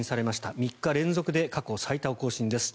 ３日連続で過去最多を更新です。